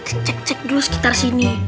tuh kita cek cek dulu sekitar sini